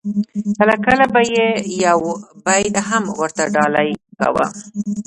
کله کله به یې یو بیت هم ورته ډالۍ کاوه.